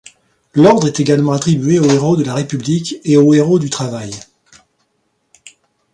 L'ordre est également attribué aux héros de la République et au héros du travail.